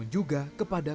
eh nanti mau ke sana